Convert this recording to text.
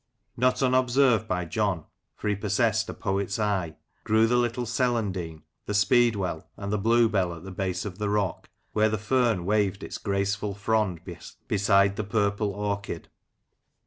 Not unobserved by John, for he possessed a poet's eye, grew the little celandine, the speedwell, and the bluebell at the base of the rock, where the fern waved its graceful frond beside the purple orchid.